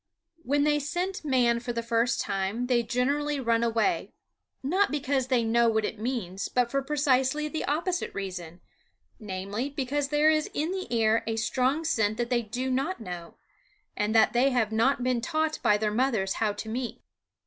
When they scent man for the first time they generally run away, not because they know what it means but for precisely the opposite reason, namely, because there is in the air a strong scent that they do not know, and that they have not been taught by their mothers how to meet.